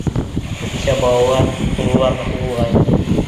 — Кисә балалар... ҡоҙалар ҙа һуғылғайны.